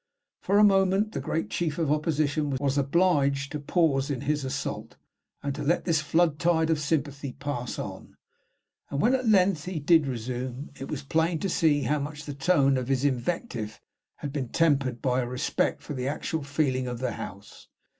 For a moment the great chief of Opposition was obliged to pause in his assault, to let this flood tide of sympathy pass on; and when at length he did resume, it was plain to see how much the tone of his invective had been tempered by a respect for the actual feeling of the House.